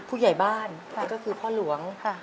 ผู้ใหญ่บ้านค่ะแล้วก็คือพ่อหลวงค่ะ